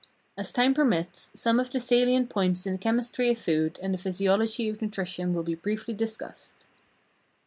As time permits, some of the salient points in the chemistry of food and the physiology of nutrition will be briefly discussed.